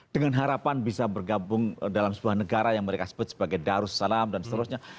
dengan harapan bisa bergabung dalam sebuah negara yang mereka sebut sebagai darussalam dan seterusnya